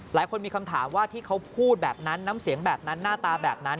หลายคนมีคำถามว่าที่เขาพูดแบบนั้นน้ำเสียงแบบนั้นหน้าตาแบบนั้น